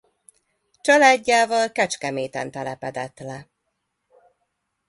Családjával Kecskeméten telepedett le.